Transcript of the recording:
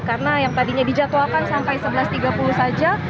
karena yang tadinya dijadwalkan sampai sebelas tiga puluh saja